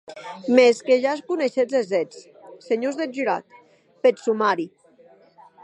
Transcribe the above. Mès que ja coneishetz es hèts, senhors deth jurat, peth somari.